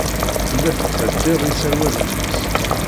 Tella tettḥeddid iserwalen-nnes.